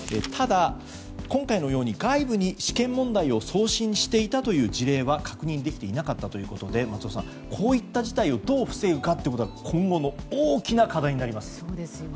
ただ、今回のように外部に試験問題を送信していたという事例は確認できていなかったということで、松尾さんこういった事態をどう防ぐかが今後の大きな課題になります。